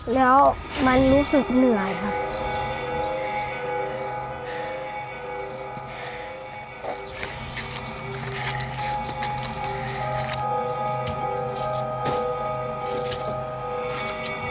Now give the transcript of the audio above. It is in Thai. แล้วมันรู้สึกเหนื่อยครับ